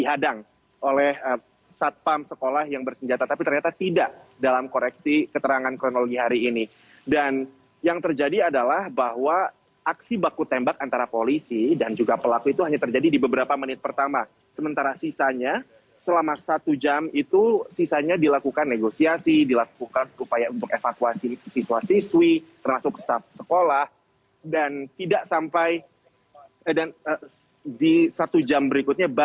ada dua puluh satu salib yang melambangkan dua puluh satu korban tewas dalam peristiwa penembakan masal ini